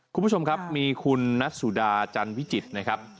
คุณผู้ชมครับมีคุณนัทสุดาจันวิจิตรนะครับ